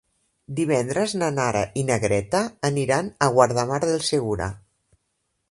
Divendres na Nara i na Greta aniran a Guardamar del Segura.